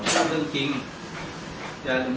สวัสดีครับทุกคน